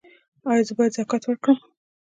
ایا زه باید زکات ورکړم؟